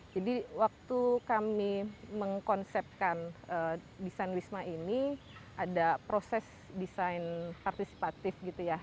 waktu kami mengkonsepkan desain wisma ini ada proses desain partisipatif gitu ya